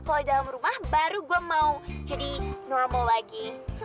jadi lo masih di dalam rumah baru gue mau jadi normal lagi